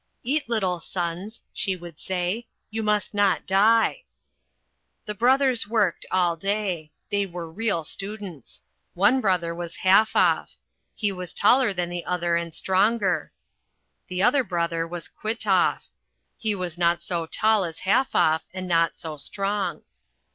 "Eat, little sons," she would say. "You must not die." The brothers worked all day. They were real students. One brother was Halfoff. He was taller than the other and stronger. The other brother was Kwitoff. He was not so tall as Halfoff and not so strong.